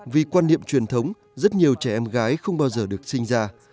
vì quan niệm truyền thống rất nhiều trẻ em gái không bao giờ được sinh ra